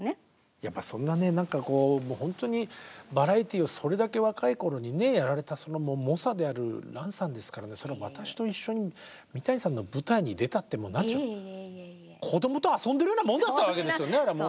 やっぱりそんな何か本当にバラエティーをそれだけ若い頃にやられたその猛者である蘭さんですから私と一緒に三谷さんの舞台に出たってもう何ていうんでしょう子どもと遊んでるようなもんだったわけですよねあれはもう。